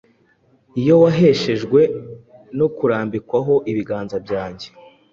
iyo waheshejwe no kurambikwaho ibiganza byanjye.